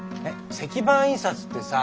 石版印刷ってさ